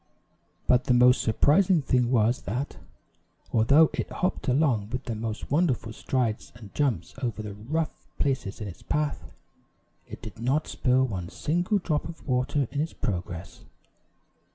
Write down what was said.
But the most surprising thing was that, although it hopped along with the most wonderful strides and jumps over the rough places in its path, it did not spill one single drop of water in its progress.